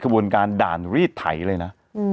บนการด่านรีดไถเลยนะ